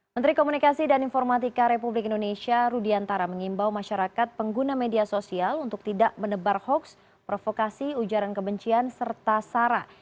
menteri komunikasi dan informatika republik indonesia rudiantara mengimbau masyarakat pengguna media sosial untuk tidak menebar hoax provokasi ujaran kebencian serta sara